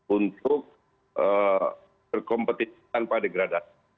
untuk terkompetitif tanpa degradasi